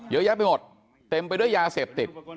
เยอะแยะไปหมดเต็มไปด้วยยาเสพติด